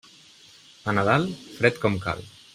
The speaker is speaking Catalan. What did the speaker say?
A Nadal, fred com cal.